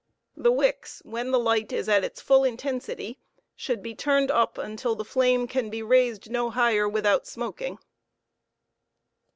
The wick$, wkeu the light is at its full intensity, should lie turned up until the flame can be raised no higher without smoking.